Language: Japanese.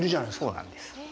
そうなんです。